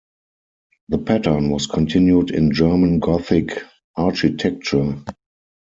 The pattern was continued in German Gothic architecture.